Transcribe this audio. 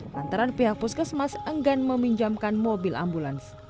lantaran pihak puskesmas enggan meminjamkan mobil ambulans